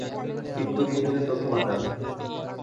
শিবপুর ইউনিয়নের তথ্য বাতায়ন